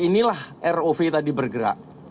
inilah rov tadi bergerak